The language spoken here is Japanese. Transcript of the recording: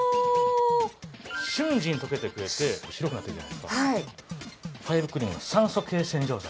瞬時に溶けてくれて白くなってくじゃないですかファイブクリーンは酸素系洗浄剤。